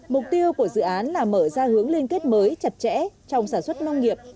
mục tiêu của dự án là mở ra hướng liên kết mới chặt chẽ trong sản xuất nông nghiệp